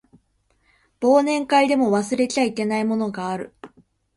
忘年会でも忘れちゃいけないものがある